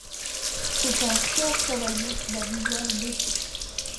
C'est un fier cavalier, la visière baissée